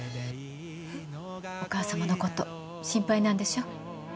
えっ？お母さまのこと心配なんでしょう？